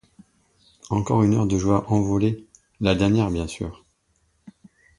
Encore une heure de joie envolée, la dernière bien sûr!